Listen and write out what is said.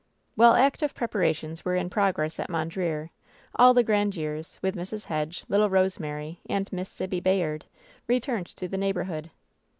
While active preparations were in progress at Mon dreer, all the Grandieres, with Mrs. Hedge, little Eose mary and Miss Sibby Bayard, returned to the neigh borhood.